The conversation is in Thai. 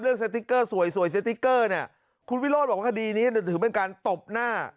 เรื่องเซติกเกอร์สวยเซติกเกอร์คุณวิโรธบอกว่าคดีนี้ถือเป็นการตบหน้า